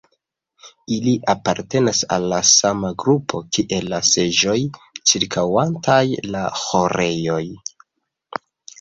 Ili apartenas al la sama grupo kiel la seĝoj ĉirkaŭantaj la ĥorejon.